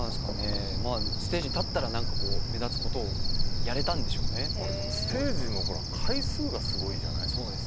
ステージに立ったら目立つことをステージの回数がすごいじゃない。